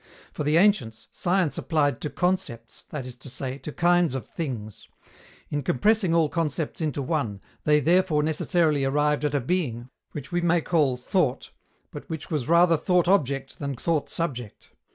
For the ancients, science applied to concepts, that is to say, to kinds of things. In compressing all concepts into one, they therefore necessarily arrived at a being, which we may call Thought, but which was rather thought object than thought subject.